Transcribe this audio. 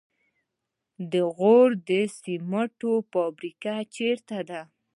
د غوري سمنټو فابریکه چیرته ده؟